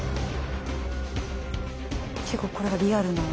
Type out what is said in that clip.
結構これがリアルな。